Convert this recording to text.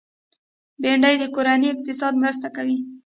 بېنډۍ د کورني اقتصاد مرسته کوي